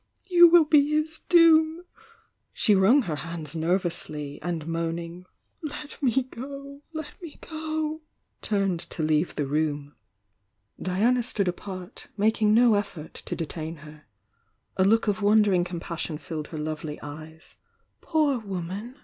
— you will be his doom !" She wrung her hands nervously, and moan ing, "Let me go! — let me go!" turned to leave the room. Diana stood apart, making no effort to detain her. A look of wondering compassion filled her lovely eyes. "Poor woman